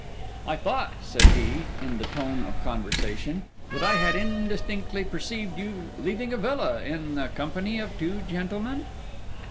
'I thought,' said he, in the tone of conversation, 'that I had indistinctly perceived you leaving a villa in the company of two gentlemen.